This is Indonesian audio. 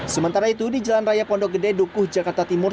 sementara itu di jalan raya pondok gede dukuh jakarta timur